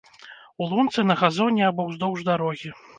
У лунцы, на газоне або ўздоўж дарогі.